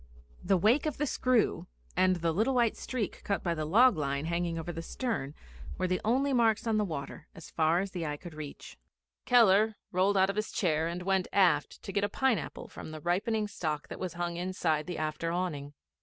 The wake of the screw and the little white streak cut by the log line hanging over the stern were the only marks on the water as far as eye could reach. Keller rolled out of his chair and went aft to get a pineapple from the ripening stock that was hung inside the after awning.